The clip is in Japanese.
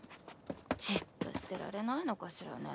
じっとしてられないのかしらね